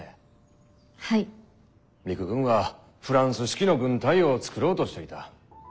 陸軍はフランス式の軍隊を作ろうとしていた。